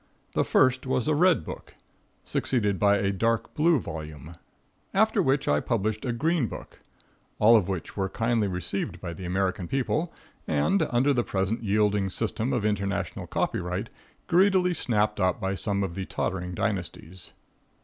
The first was a red book, succeeded by a dark blue volume, after which I published a green book, all of which were kindly received by the American people, and, under the present yielding system of international copyright, greedily snapped up by some of the tottering dynasties.